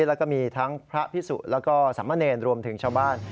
แล้วก็มีทั้งพระพิสุแล้วก็สามเณรรวมถึงชาวบ้าน